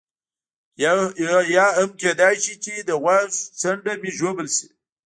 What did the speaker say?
یا هم کېدای شي چې د غوږ څنډه مې ژوبل شي.